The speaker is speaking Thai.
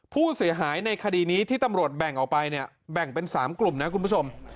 ผู้เสียหายในคดีนี้ที่ตำรวจแบ่งออกไปเนี่ยแบ่งเป็น๓กลุ่มนะคุณผู้ชม